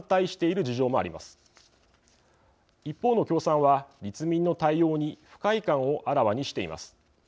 一方の共産は立民の対応に不快感をあらわにしています。